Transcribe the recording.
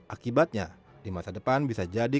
akibatnya di masa depan bisa jadi